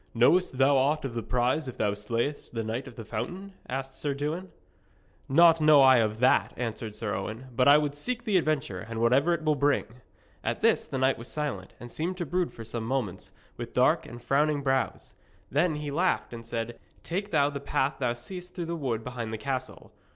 'Knowest thou aught of the prize if thou slayest the Knight of the Fountain?' asked Sir Dewin. 'Naught know I of that,' answered Sir Owen; 'but I would seek the adventure, and whatever it will bring.' At this the knight was silent, and seemed to brood for some moments, with dark and frowning brows. Then he laughed and said: 'Take thou the path thou seest through the wood behind the castle.